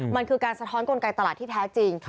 มันคือการสะท้อนกลไกตลาดที่แท้จริง